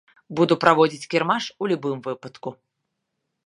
Буду праводзіць кірмаш у любым выпадку.